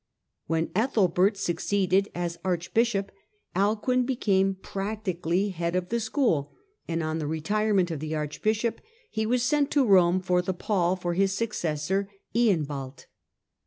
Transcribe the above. When Ethelbert succeeded as archbishop, Alcuin became practically head of the school, and on the retirement of the archbishop he was sent to Rome for the pall for his successor, Eanbald.